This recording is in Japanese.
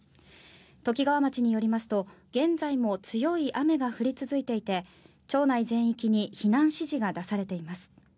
ときがわ町によりますと現在も強い雨が降り続いていて町内全域に避難指示が出されています。